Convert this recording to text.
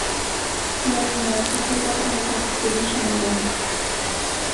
لە ناوچەکەدا ئەمە بەرزترین ژمارەیە